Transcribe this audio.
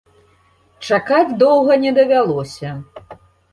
Чакаць доўга не давялося.